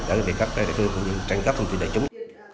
để để các địa phương trang cấp thông tin đại chúng